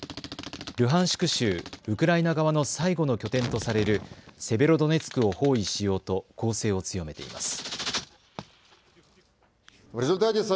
ルハンシク州ウクライナ側の最後の拠点とされるセベロドネツクを包囲しようと攻勢を強めています。